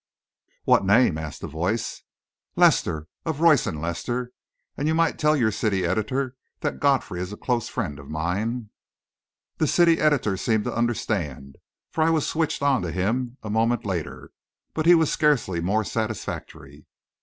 "What name?" asked the voice. "Lester, of Royce and Lester and you might tell your city editor that Godfrey is a close friend of mine." The city editor seemed to understand, for I was switched on to him a moment later. But he was scarcely more satisfactory.